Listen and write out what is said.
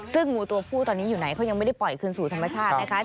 ซึ่งงูตัวผู้ตอนนี้อยู่ไหนเขายังไม่ได้ปล่อยคืนสู่ธรรมชาตินะคะ